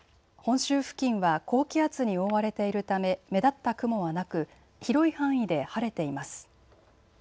本州付近は高気圧に覆われているため目立った雲はなく広い範囲で晴れています。